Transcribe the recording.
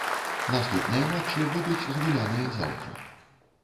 Наступныя матчы будуць згуляныя заўтра.